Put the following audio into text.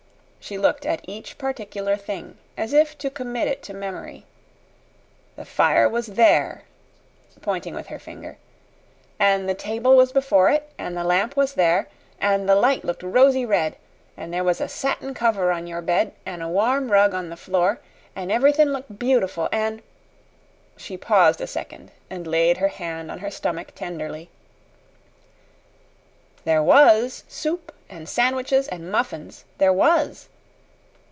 She looked at each particular thing, as if to commit it to memory. "The fire was THERE", pointing with her finger, "an' the table was before it; an' the lamp was there, an' the light looked rosy red; an' there was a satin cover on your bed, an' a warm rug on the floor, an' everythin' looked beautiful; an'" she paused a second, and laid her hand on her stomach tenderly "there WAS soup an' sandwiches an' muffins there WAS."